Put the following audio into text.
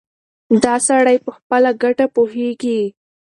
دا سړی په خپله ګټه پوهېږي.